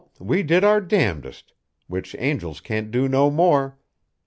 We did our damndest, which angels can't do no more.